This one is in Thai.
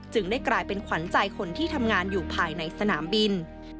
ได้กลายเป็นขวัญใจคนที่ทำงานอยู่ภายในสนามบิน